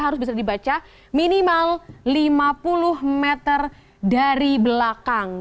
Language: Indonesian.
harus bisa dibaca minimal lima puluh meter dari belakang